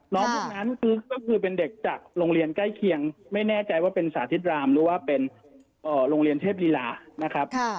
ตรงนั้นก็คือเป็นเด็กจากโรงเรียนใกล้เคียงไม่แน่ใจว่าเป็นสาธิตรามหรือว่าเป็นโรงเรียนเทพลีลานะครับ